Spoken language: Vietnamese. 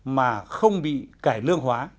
mà không bị cải lương hóa